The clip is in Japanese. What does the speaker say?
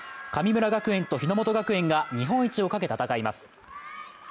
神村学園と日ノ本学園が日本一をかけ戦います。